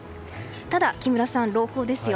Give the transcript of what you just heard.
ただ、木村さん、朗報ですよ。